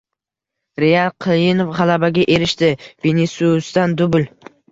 “Real” qiyin g‘alabaga erishdi, Vinisiusdan dubl